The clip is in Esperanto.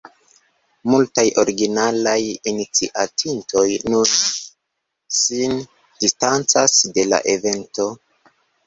Multaj originalaj iniciatintoj nun sin distancas de la evento.